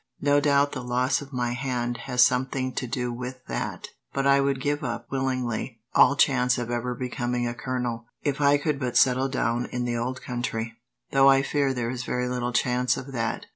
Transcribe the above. No doubt the loss of my hand has something to do with that, but I would give up, willingly, all chance of ever becoming a colonel, if I could but settle down in the old country, though I fear there is very little chance of that."